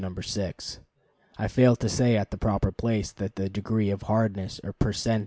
No. 6. I failed to say at the proper place that the degree of hardness or per cent.